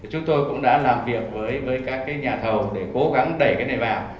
chúng tôi cũng đã làm việc với các nhà thầu để cố gắng đẩy cái này vào